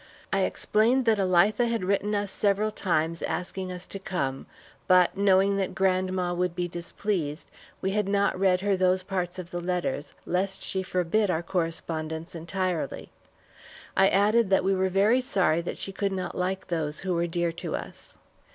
I explained that Elitha had written us several times asking us to come, but, knowing that grandma would be displeased, we had not read her those parts of the letters, lest she forbid our correspondence entirely. I added that we were very sorry that she could not like those who were dear to us.